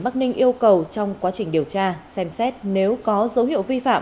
cảm ơn các bạn đã theo dõi